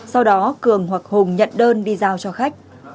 sau đó cường hoặc hùng nhận đơn đi giao cho khách